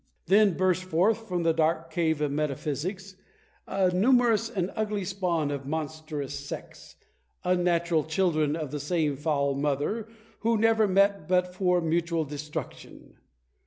Then burst into birth, from the dark cave of metaphysics, a numerous and ugly spawn of monstrous sects; unnatural children of the same foul mother, who never met but for mutual destruction.